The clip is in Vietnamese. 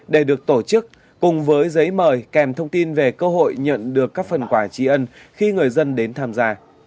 để được tổ chức cùng với giấy mời kèm thông tin về cơ hội nhận được các phần quà tri ân khi người dân đến tham gia